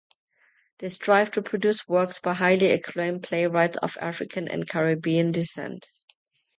They strive to produce works by highly acclaimed playwrights of African and Caribbean descent.